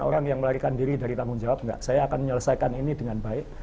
orang yang melarikan diri dari tanggung jawab enggak saya akan menyelesaikan ini dengan baik